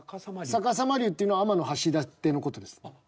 「さかさま龍」っていうのは天橋立の事です。